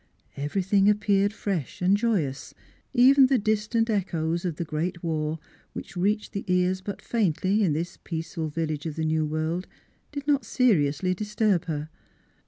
Every thing appeared fresh and joyous; even the distant echoes of the great war which reached the ear but faintly in this peaceful village of the new world did not seriously disturb her.